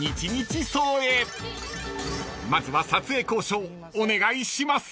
［まずは撮影交渉お願いします］